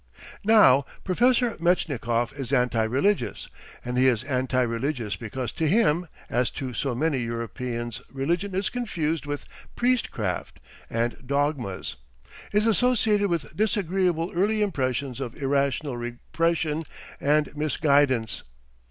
Now Professor Metchnikoff is anti religious, and he is anti religious because to him as to so many Europeans religion is confused with priest craft and dogmas, is associated with disagreeable early impressions of irrational repression and misguidance.